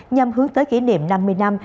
nhằm hướng tới kỷ niệm năm mươi năm